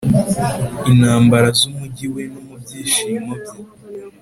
intambara z'umujyi we; no mu byishimo bye